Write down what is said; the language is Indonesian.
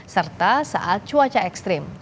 serta saat cuaca ekstrim